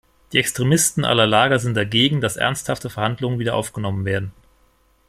Die Extremisten aller Lager sind dagegen, dass ernsthafte Verhandlungen wiederaufgenommen werden.